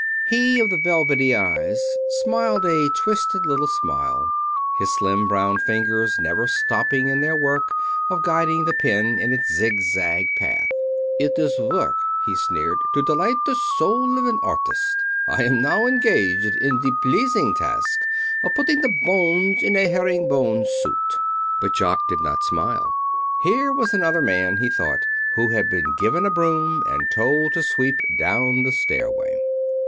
He of the velvety eyes smiled a twisted little smile. His slim brown fingers never stopped in their work of guiding the pen in its zigzag path. "It is work," he sneered, "to delight the soul of an artist. I am now engaged in the pleasing task of putting the bones in a herringbone suit." But Jock did not smile. Here was another man, he thought, who had been given a broom and told to sweep down the stairway.